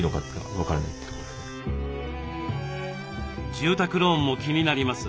住宅ローンも気になります。